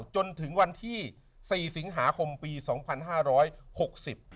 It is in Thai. จนถึงวันที่สี่สิงหาคมปีสองพันห้าร้อยหกสิบ